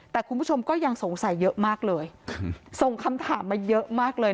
แต่คุณผู้ชมก็ยังสงสัยเยอะมากเลยส่งคำถามมาเยอะมากเลย